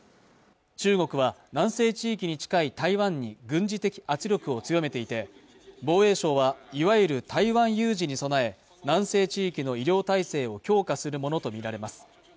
中国は南西地域に近い台湾に軍事的圧力を強めていて防衛省はいわゆる台湾有事に備え南西地域の医療体制を強化するものと見られます